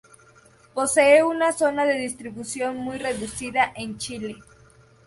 Posee una zona de distribución muy reducida en Chile.